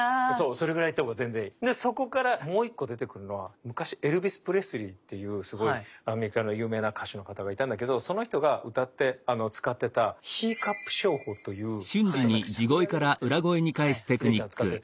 そこからもう１個出てくるのは昔エルヴィス・プレスリーっていうすごいアメリカの有名な歌手の方がいたんだけどその人が歌って使ってた「ヒーカップ唱法」というちょっとしゃくりあげるみたいなやつを秀樹さん使ってて。